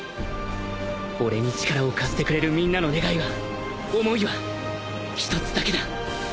俺に力を貸してくれるみんなの願いは思いは一つだけだ